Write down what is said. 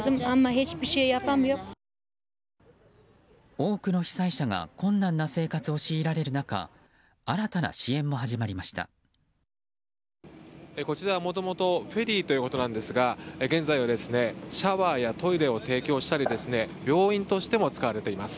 多くの被災者が困難な生活を強いられる中こちらは、もともとフェリーということなんですが現在はシャワーやトイレを提供したり病院としても使われています。